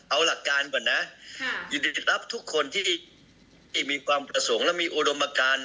เอาหลักการก่อนนะยินดีจะรับทุกคนที่มีความประสงค์และมีอุดมการ